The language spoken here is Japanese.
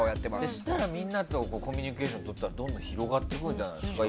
そうしたら、みんなとコミュニケーションとったらどんどん広がっていくんじゃないですか。